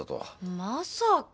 まさか。